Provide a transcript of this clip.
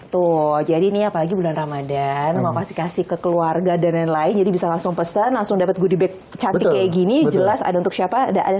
tuh jadi ini apalagi bulan ramadhan mau kasih kasih ke keluarga dan lain lain jadi bisa langsung pesan langsung dapat goodie bag cantik kayak gini jelas ada untuk siapa